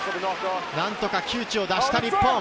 何とか窮地を脱した日本。